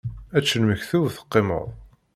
Ečč lmektub teqqimeḍ.